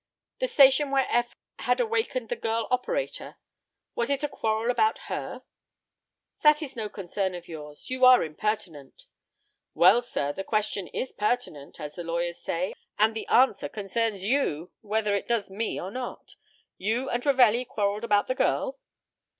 "The station where Eph had awakened the girl operator? Was it a quarrel about her?" "That is no concern of yours. You are impertinent." "Well, sir, the question is pertinent as the lawyers say and the answer concerns you, whether it does me or not. You and Ravelli quarreled about the girl?"